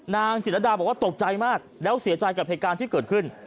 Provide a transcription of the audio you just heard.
นางจิตรดาบอกว่าตกใจมากแล้วเสียใจกับเหตุการณ์ที่เกิดขึ้น